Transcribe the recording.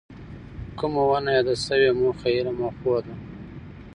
کومه ونه یاده شوې موخه یې علم او پوهه ده.